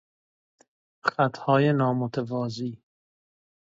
خطهای نامتوازی